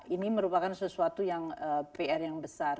ini merupakan sesuatu yang pr yang besar